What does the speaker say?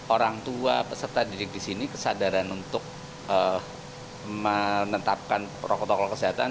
orang tua peserta didik di sini kesadaran untuk menetapkan protokol kesehatan